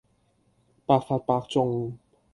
百發百中